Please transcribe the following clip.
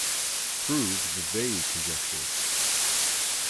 Proved the Weil conjectures.